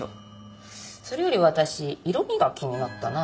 それより私色味が気になったな。